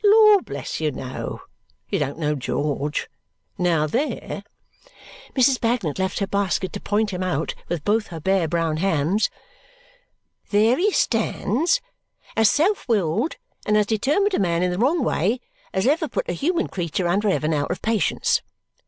"Lord bless you, no. You don't know George. Now, there!" Mrs. Bagnet left her basket to point him out with both her bare brown hands. "There he stands! As self willed and as determined a man, in the wrong way, as ever put a human creature under heaven out of patience!